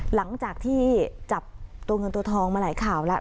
หลังจากที่จับตัวเงินตัวทองมาหลายข่าวแล้ว